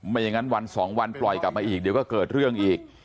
อย่างนั้นวันสองวันปล่อยกลับมาอีกเดี๋ยวก็เกิดเรื่องอีก